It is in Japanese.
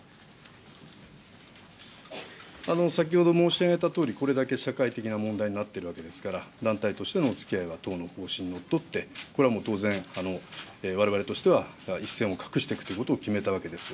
先ほど申し上げたとおり、これだけ社会的な問題になってるわけですから、団体としてのおつきあいは党の方針にのっとって、これはもう当然、われわれとしては一線を画していくということを決めたわけです。